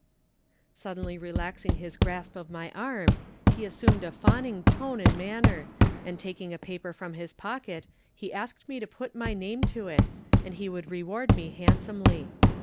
'" Suddenly relaxing his grasp of my arm, he assumed a fawning tone and manner, and taking a paper from his pocket he asked me to put my name to it, and he would reward me handsomely.